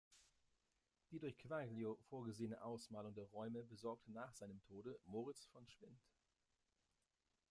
Die durch Quaglio vorgesehene Ausmalung der Räume besorgte nach seinem Tode Moritz von Schwind.